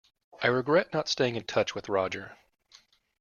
I regret not staying in touch with Roger.